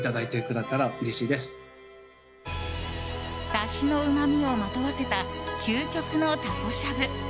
だしのうまみをまとわせた究極のたこしゃぶ。